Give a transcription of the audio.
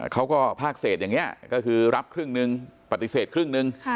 พากเศษอย่างนี้ก็คือรับครึ่งหนึ่งปฏิเสธครึ่งหนึ่ง